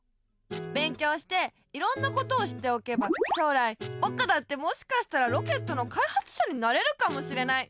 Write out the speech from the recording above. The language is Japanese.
勉強していろんなことを知っておけば将来ぼくだってもしかしたらロケットのかいはつしゃになれるかもしれない。